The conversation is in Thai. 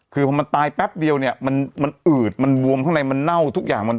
คือพอมันตายแป๊บเดียวเนี่ยมันอืดมันบวมข้างในมันเน่าทุกอย่าง